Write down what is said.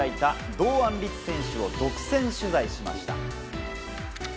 堂安律選手を独占取材しました。